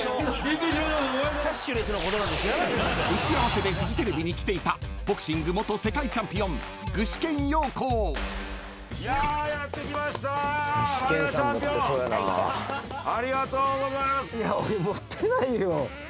［打ち合わせでフジテレビに来ていたボクシング元世界チャンピオン］ありがとうございます！